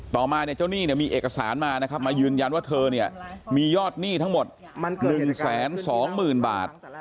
ต่อมาเนี่ยเจ้าหนี้มีเอกสารมานะครับมายืนยันว่าเธอเนี่ยมียอดหนี้ทั้งหมด๑๒๐๐๐บาท